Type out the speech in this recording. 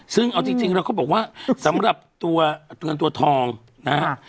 ซึ่งเอาจริงเราก็บอกว่าสำหรับตัวเงินตัวทองนะฮะ